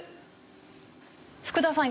福田さん